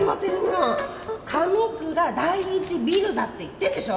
上倉第一ビルだって言ってるでしょ。